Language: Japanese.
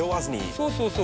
そうそうそう。